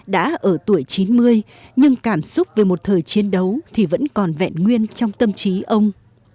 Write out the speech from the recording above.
đã ở tuổi chín mươi nhưng cảm xúc về một thời chiến đấu thì vẫn còn vẹn nguyên trong tâm trí ông